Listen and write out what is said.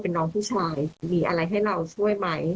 เป็นน้องผู้ชายมีอะไรให้เราช่วยไหม